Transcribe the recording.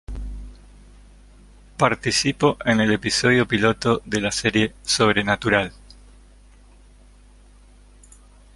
Participó en el episodio piloto de la serie "Sobrenatural".